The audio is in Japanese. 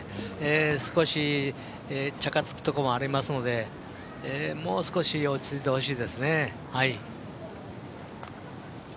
少しチャカつくとこもありますのでもう少し落ち着いてほしいですね。